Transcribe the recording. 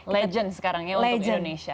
legend sekarang ya untuk indonesia